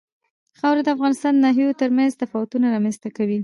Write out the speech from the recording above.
خاوره د افغانستان د ناحیو ترمنځ تفاوتونه رامنځ ته کوي.